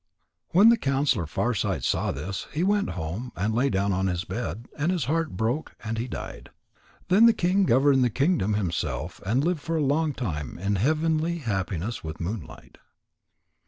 When the counsellor Farsight saw this, he went home, and lay down on his bed, and his heart broke, and he died. Then the king governed the kingdom himself, and lived for a long time in heavenly happiness with Moonlight.